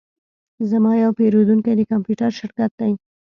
زما یو پیرودونکی د کمپیوټر شرکت دی